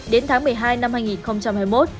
đến tháng một mươi hai năm hai nghìn hai mươi một